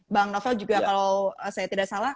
bang novel juga kalau saya tidak salah